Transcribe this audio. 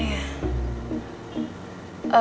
ehm pak kira kira gimana